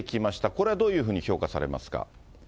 これはどういうふうに評価されますか。